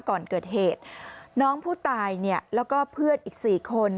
ก่อนเกิดเหตุน้องผู้ตายและเพื่อนอีก๔คน